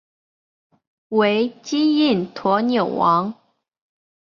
为金印驼纽王。